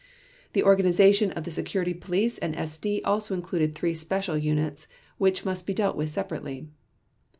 The organization of the Security Police and SD also included three special units which must be dealt with separately.